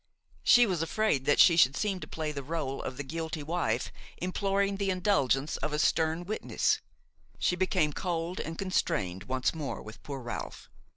She was afraid that she should seem to play the rôle of the guilty wife imploring the indulgence of a stern witness; she became cold and constrained once more with poor Ralph.